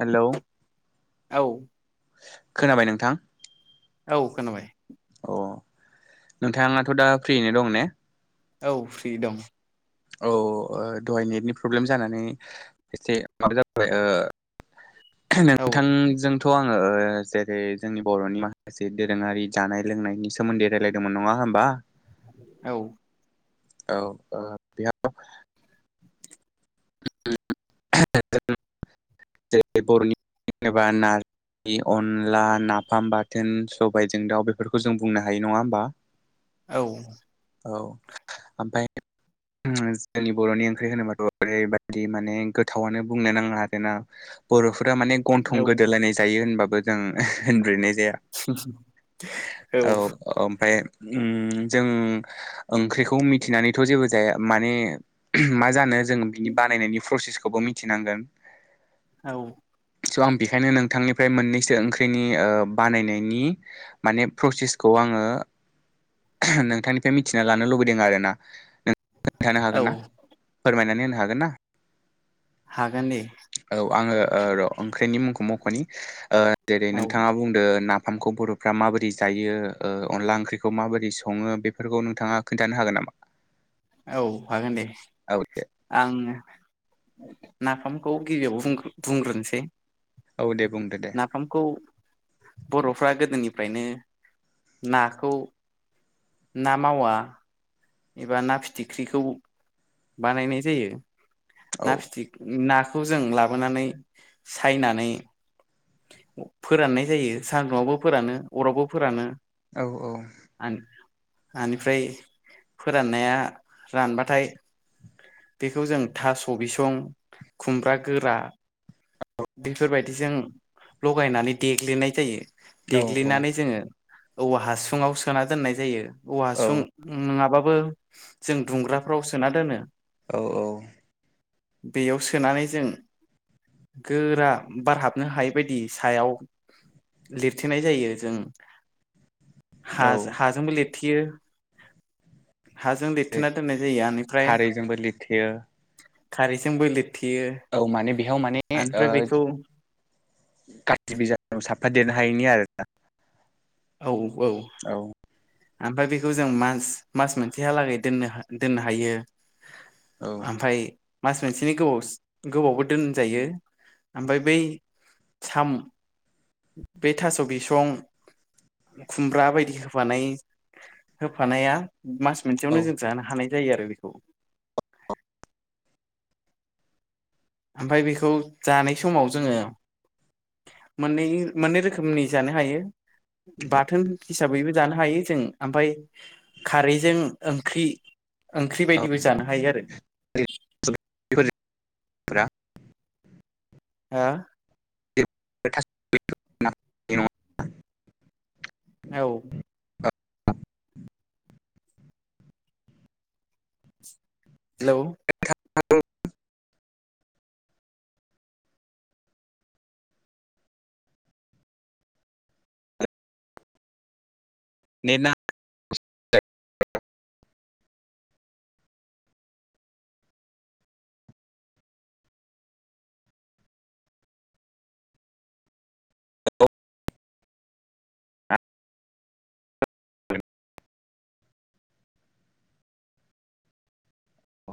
Hello. औ। खोनाबाय नोंथां? औ खोनाबाय अ नोंथाङाथ दा फ्रियैनो दं ने? औ फ्रि दं औ औ दहाय नेटनि प्रब्लेम जानानै एसे माबा जाबाय ओ औ नोंथांजोंथ आं ओ ओ ओ जेरै जोंनि बर'नि माखासे दोरोङारि जानाय लोंनायनि सोमोन्दै रायलायदोंमोन नङा होमबा। औ औ ओहो- [unintelligible] [unintelligible] औ औ ओमफ्राय ओम जोंनि बर'नि ओंख्रि होनोबाथ'- ओरैबायदि माने गोथावानो बुंनो नाङा आरोना बर'फो- फोरा माने गन्थं गोदोलायनाय जायो होनबाबो- ओजों ओह होनब्रेनाय जाया। औ औ-औ ओमफ्राय- ओम जों- ओंख्रिखौ मिथिनानैथ' जेबो जाया। माने ओहोम मा जानो- जों बिनि बानायनायनि प्रसेसखौ- खौबो मिथिनांगोन। औ स' आं बेखायनो नोंथांनिफ्राय मोननैसो ओंख्रिनि ओ बानायनायनि माने प्रसेसखौ आङो ओहो नोंथांनिफ्राय मिथिना लानो लुबैदों आरो ना- खोनथानो औ हागोनना? फोरमायनानै होनो हागोन ना? हागोन दे औ आङो ओ र' ओंख्रिनि मुंखौ मख'नि- ओह- जेरै औ नोंथाङा बुंदो नाफ- ओंखामखौ बर'फ्रा माबोरै जायो ओ अनला ओंख्रिखौ माबोरै स'ङो बेफोरखौ नोंथाङा खोन्थानो हागोन नामा? औ हागोनदे। औ दे आङो- नाफामखौ गिबियावनो बुंग्रो-बुंग्रोनोसै- औ दे- बुंदो दे नाफामखौ- बर'फ्रा गोदोनिफ्रायनो नाखौ ना मावा- एबा ना फिथिख्रिखौ बानायनाय जायो। औ ना फिथिख्रि ना- खौ जों लाबोनानै सायनानै- अह फोराननाय जायो सान्दुंआवबो फोरानो अरावबो फोरानो। औ-औ। आन आनिफ्राय फोराननाया रानबाथाय- बेखौ जों थास' बिसं खुमब्रा गोरा- बेफोरबायदिजों लगायनानै देग्लिनाय जायो। औ देग्लिनानै जोंङो औवा हासुङाव सोना दोननाय जायो। औवा हासुं नंङाबा जों दुंग्राफ्राव सोना दोनो औ औ बेयाव सोनानै जों गोरा बार हाबनो हायै बायदि सायाव लिरथेनाय जायो जों हा औ हाजोंबो लिर थियो हाजों लिरथेनाय दोननाय जायो बेनिफ्राय खारैजोंबो लिरथेयो खारैजों लि औ माने बेयाव माने ओ बेखौ काथिबिजाब साबा दनो हायिनि आरो नोंथां औ औ ओमफ्राय बेखौ जों मास मास मोनसेहालागै दोननो दोननो हायो। ओमफ्राय मास मोनसेनि गोबाव गोबावबो दोनजायो ओमफ्राय बै साम बे थास बिसं खुमब्रा बायदि होफानाय होफानाया मास औ मोनसेयावनो जों जानो हानाय जायो आरो बेखौ ओमफ्राय बेखौ जानाय समाव जोंङो मोननै मोननै रोखोमनि जानो हायो बाथोन हिसाबैबो जानो हायो जों ओमफ्राय खारैजों ओंख्रि ओंख्रि बायदिबो जानो हायो आरो [inaudible] हा? [inaudible] औ हेल' [inaudible] [inaudible] नाङा अ।